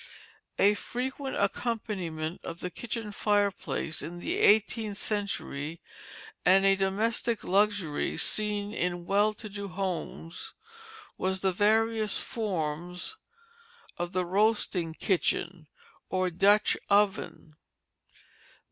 A frequent accompaniment of the kitchen fireplace in the eighteenth century, and a domestic luxury seen in well to do homes, was the various forms of the "roasting kitchen," or Dutch oven.